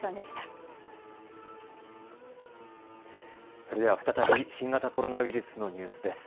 それでは再び新型コロナウイルスのニュースです。